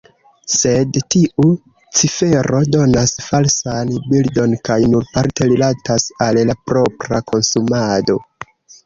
Sed tiu cifero donas falsan bildon kaj nur parte rilatas al la propra konsumado.